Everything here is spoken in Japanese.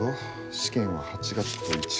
試験は８月と１月。